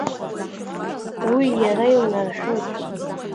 Уи иара иунарҳәоит.